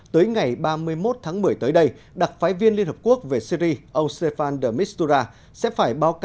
tại cuộc họp